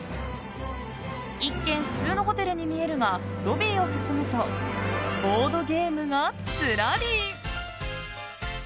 一見、普通のホテルに見えるがロビーを進むとボードゲームがずらり。